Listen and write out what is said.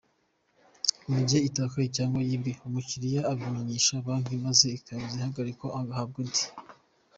Mu gihe itakaye cyangwa yibwe, umukiriya abimenyesha Banki maze iyabuze ihagarikwa agahabwa indi.